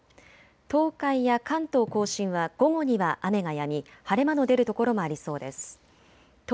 東海や関東甲信は午後には雨がやみ、晴れ間の出る所もありそうです。